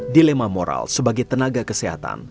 dilema moral sebagai tenaga kesehatan